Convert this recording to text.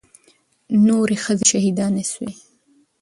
نورې ښځې شهيدانې سوې.